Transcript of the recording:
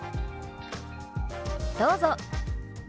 どうぞ。